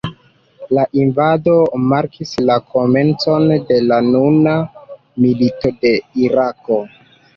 La invado markis la komencon de la nuna milito de Irako.